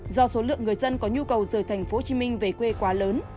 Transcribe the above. do số lượng người dân có nhu cầu rời thành phố hồ chí minh về quê quá lớn